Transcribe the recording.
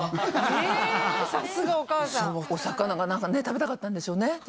さすがお母さんお魚が食べたかったんでしょうね